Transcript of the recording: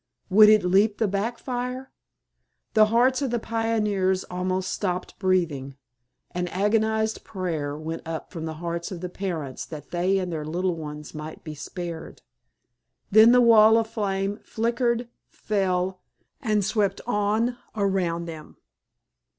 Would it leap the back fire? The hearts of the pioneers almost stopped breathing. An agonized prayer went up from the hearts of the parents that they and their little ones might be spared. Then the wall of flame flickered, fell—and swept on around them.